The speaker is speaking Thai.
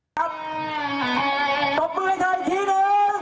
ตบมือให้ใครทีนึง